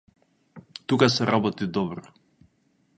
Тука се работи добро.